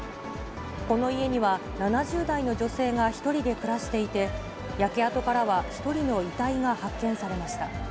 この家には７０代の女性が１人で暮らしていて、焼け跡からは１人の遺体が発見されました。